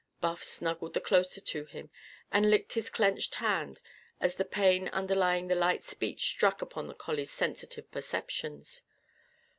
Buff snuggled the closer to him, and licked his clenched hand as the pain underlying the light speech struck upon the collie's sensitive perceptions.